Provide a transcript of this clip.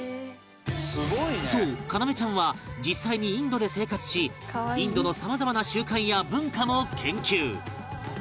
そうカナメちゃんは実際にインドで生活しインドのさまざまな習慣や文化も研究